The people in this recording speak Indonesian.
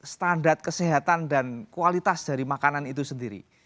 standar kesehatan dan kualitas dari makanan itu sendiri